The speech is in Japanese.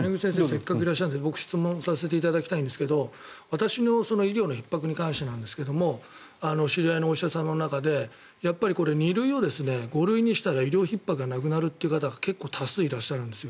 せっかくいらっしゃってるので質問させていただきたいんですけど私の医療のひっ迫に関してなんですが知り合いのお医者さんの中でやっぱり２類を５類にしたら医療ひっ迫がなくなるという方が結構多数いらっしゃるんです。